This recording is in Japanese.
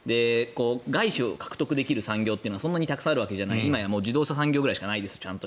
外資を獲得できる産業はそんなにたくさんあるわけじゃない今や自動車産業くらいしかないです。